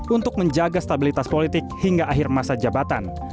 untuk menjaga stabilitas politik hingga akhir masa jabatan